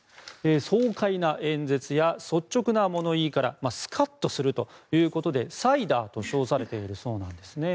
爽快な演説や率直な物言いからスカッとするということでサイダーと称されているそうなんです。